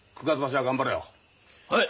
はい！